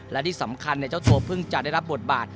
และที่สำคัญเจ้าตัวเพิ่งจะได้รับบทบาท